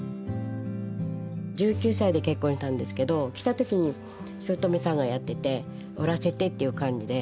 １９歳で結婚したんですけど来た時にしゅうとめさんがやってて「織らせて」っていう感じで。